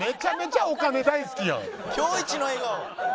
今日イチの笑顔！